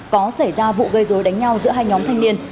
có xảy ra vụ gây dối đánh nhau giữa hai nhóm thanh niên